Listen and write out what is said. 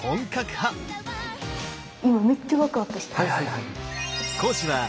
今めっちゃワクワクしてます。